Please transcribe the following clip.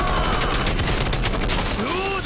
どうだ！